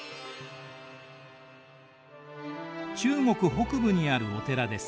中国北部にあるお寺です。